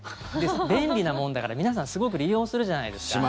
便利なもんだから、皆さんすごく利用するじゃないですか。